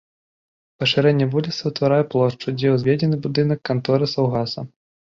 Пашырэнне вуліцы ўтварае плошчу, дзе ўзведзены будынак канторы саўгаса.